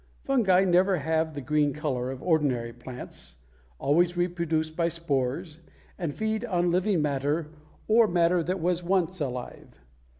Fungi never have the green color of ordinary plants, always reproduce by spores, and feed on living matter or matter that was once alive.